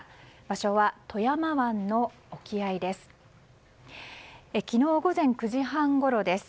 場所は富山湾の沖合です。